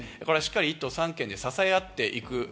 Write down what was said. しっかり１都３県で支え合っていく。